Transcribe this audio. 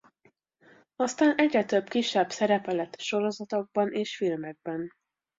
Aztán egyre több kisebb szerepe lett sorozatokban és filmekben.